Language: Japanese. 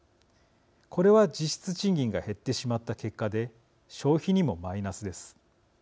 これは実質賃金が減ってしまった結果で消費にもマイナスです。